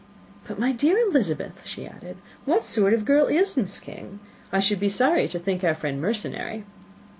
"But, my dear Elizabeth," she added, "what sort of girl is Miss King? I should be sorry to think our friend mercenary."